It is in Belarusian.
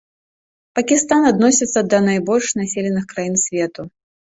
Пакістан адносіцца да найбольш населеных краін свету.